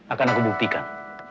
akan aku buktikan